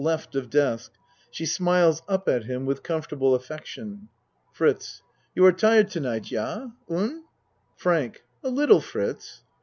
of desk. She smiles up at him with comfortable affection.) FRITZ You are tired to night, Yah? Un? FRANK A little Fritz.